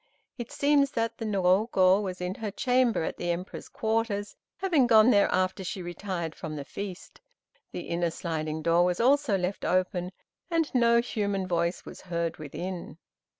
It seems that the Niogo was in her upper chamber at the Emperor's quarters, having gone there after she retired from the feast. The inner sliding door was also left open, and no human voice was heard from within.